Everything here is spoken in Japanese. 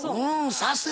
さすが！